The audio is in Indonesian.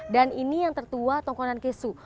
dan ini yang tertua tongkonan kesu